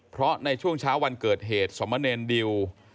เพราะในช่วงเช้าวันเกิดเหตุสมเนรดิว